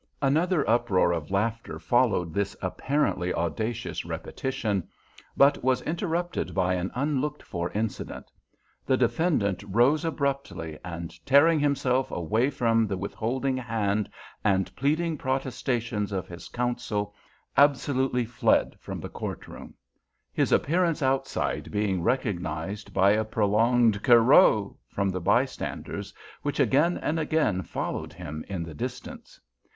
Another uproar of laughter followed this apparently audacious repetition, but was interrupted by an unlooked for incident. The defendant rose abruptly, and tearing himself away from the withholding hand and pleading protestations of his counsel, absolutely fled from the courtroom, his appearance outside being recognized by a prolonged "Kerrow" from the bystanders, which again and again followed him in the distance.